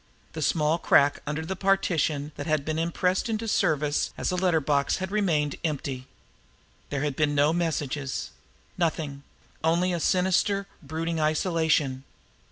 The small crack under the partition that had been impressed into service as a letter box had remained empty. There had been no messages nothing only a sinister, brooding isolation.